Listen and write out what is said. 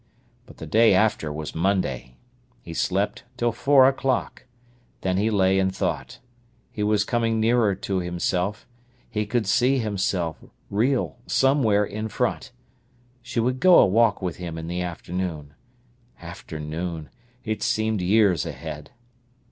But the day after was Monday. He slept till four o'clock. Then he lay and thought. He was coming nearer to himself—he could see himself, real, somewhere in front. She would go a walk with him in the afternoon. Afternoon! It seemed years ahead.